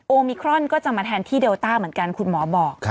มิครอนก็จะมาแทนที่เดลต้าเหมือนกันคุณหมอบอก